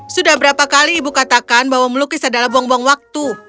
sudah berapa kali ibu katakan bahwa melukis adalah buang buang waktu